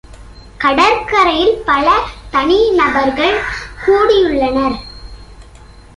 கடற்கரையில் பல தனிநபர்கள் கூடியுள்ளனர்.